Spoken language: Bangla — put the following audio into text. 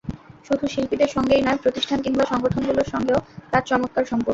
শুধু শিল্পীদের সঙ্গেই নয়, প্রতিষ্ঠান কিংবা সংগঠনগুলোর সঙ্গেও তাঁর চমৎকার সম্পর্ক।